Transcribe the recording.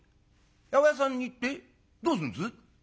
「八百屋さんに行ってどうすんです？」。